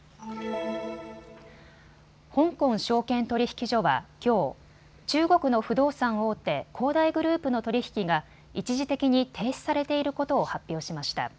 香港証券取引所はきょう中国の不動産大手、恒大グループの取り引きが一時的に停止されていることを発表しました。